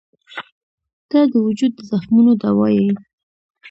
• ته د وجود د زخمونو دوا یې.